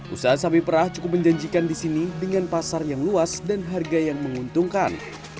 usaha sapi perah cukup menjanjikan di sini dengan pasar yang luas dan harga yang menguntungkan